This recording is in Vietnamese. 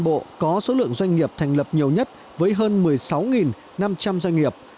bộ có số lượng doanh nghiệp thành lập nhiều nhất với hơn một mươi sáu năm trăm linh doanh nghiệp